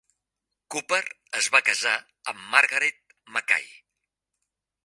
Copper es va casar amb Margaret Mackay.